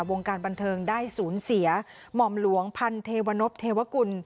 วงการบันเทิงได้สูญเสียหม่อมหลวงพันเทวนพเทวกุล